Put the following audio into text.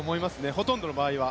ほとんどの場合は。